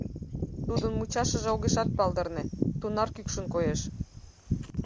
Тудын мучашыже огешат палдырне — тунар кӱкшын коеш.